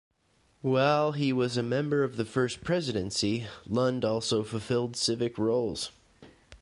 While he was a member of the First Presidency, Lund also fulfilled civic roles.